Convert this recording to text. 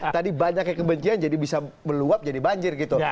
tadi banyaknya kebencian jadi bisa meluap jadi banjir gitu